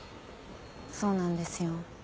そうなんですよ。